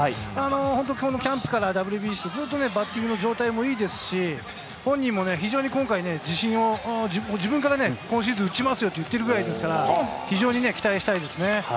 本当、キャンプからＷＢＣと、ずっとバッティングの状態もいいし、本人も非常に今回ね、自信を、自分からね、今シーズン、打ちますよと言ってるぐらいですから、非常に期待したいですね。